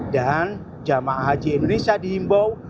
dan jemaah haji indonesia diimbau